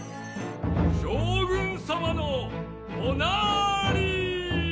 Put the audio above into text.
将軍様のおなり。